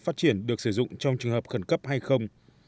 phát triển được sử dụng trong trường hợp khẩn cấp hay không